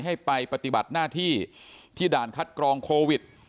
ให้ไปปฏิบัติหน้าที่ที่ด่านคัดกรองโควิด